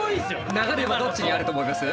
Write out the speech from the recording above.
流れはどっちにあると思います？